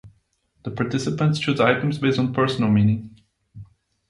The participants choose items based on personal meaning.